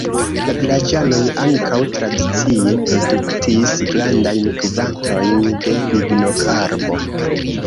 La vilaĝanoj ankaŭ tradicie produktis grandajn kvantojn de Lignokarbo.